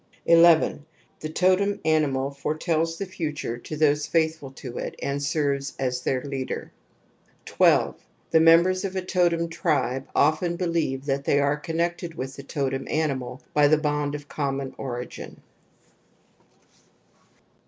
11. The totem animal foretells the future to those faithful to it and serves as their leader. 12. The members of a totem tribe often be • lieve that they are connected with the totem animal by the bond of common origih.